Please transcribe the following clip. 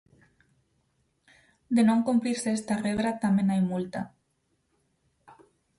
De non cumprirse esta regra, tamén hai multa.